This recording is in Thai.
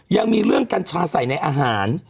ยังมีเรื่องกัญชาใส่ในอาหาร